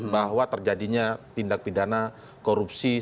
bahwa terjadinya tindak pidana korupsi